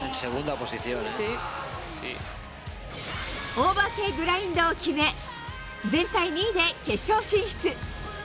オーバーＫグラインドを決め全体２位で決勝進出。